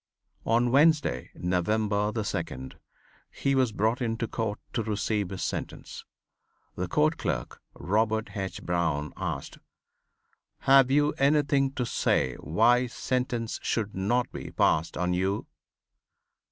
On Wednesday, November the 2nd, he was brought into court to receive his sentence. The County Clerk, Robert H. Brown, asked: "Have you anything to say why sentence should not be passed on you?"